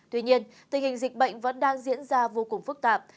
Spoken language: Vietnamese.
tuy nhiên tình hình dịch bệnh vẫn đang diễn ra vô cùng phức tạp